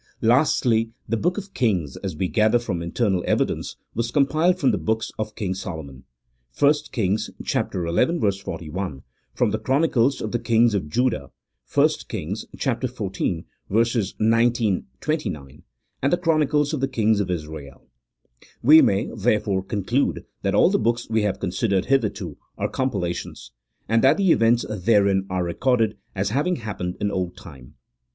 Lastly, the books of Kings, as we gather from internal evidence, were compiled from the books of King Solomon (1 Kings xi. 41), from the chronicles of the kings of Judah (1 Kings xiv. 19, 29), and the chronicles of the kings of Israel. "We may, therefore, conclude that all the books we have considered hitherto are compilations, and that the events therein are recorded as having happened in old time.